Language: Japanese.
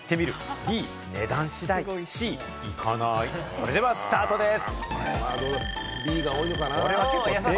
それではスタートです。